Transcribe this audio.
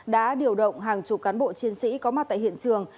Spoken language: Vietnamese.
đã điều động hàng chục cán bộ chiến sĩ có mặt tại hiện trường